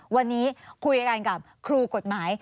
วันนี้คุยกันกับครูกฎหมาย